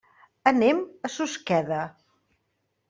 Anem a Susqueda.